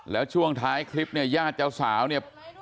แล้วช่วงท้ายคลิปเนี่ยญาติเจ้าสาวเนี่ย